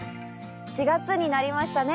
４月になりましたね。